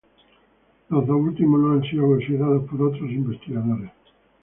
Los dos últimos no han sido considerados por otros investigadores.